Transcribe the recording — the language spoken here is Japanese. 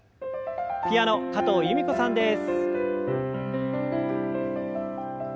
ピアノ加藤由美子さんです。